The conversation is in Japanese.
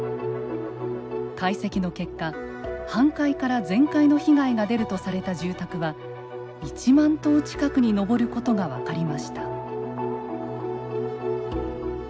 解析の結果半壊から全壊の被害が出るとされた住宅は１万棟近くに上ることが分かりました。